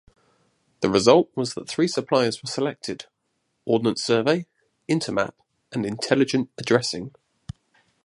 The result was that three suppliers were selected: Ordnance Survey, Intermap and Intelligent Addressing.